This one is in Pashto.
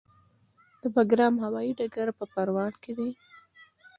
د بګرام هوايي ډګر په پروان کې دی